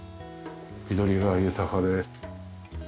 緑が豊かで。